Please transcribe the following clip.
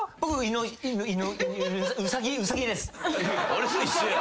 俺と一緒や。